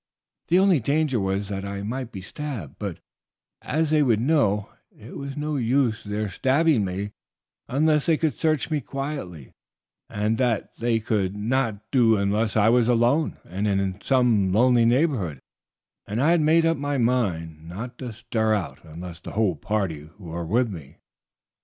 The only danger was that I might be stabbed; but, as they would know, it was no use their stabbing me unless they could search me quietly, and that they could not do unless I was alone and in some lonely neighborhood, and I had made up my mind not to stir out unless the whole party were with me.